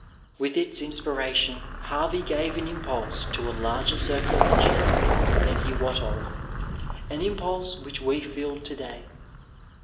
With its inspiration Harvey gave an im pulse to a larger circulation than he wot of, an impulse which we feel to day.